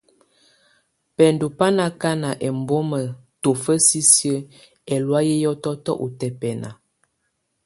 Bǝŋdu bá ndɔ̀ akana ɛmbɔma tɔfa sisi ɛlɔ̀áyɛ hiɔtɔtɔ utɛpɛna.